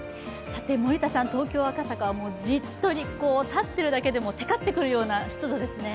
森田さん、東京・赤坂はじっとり、立ってるだけでテカってくるような湿度ですね。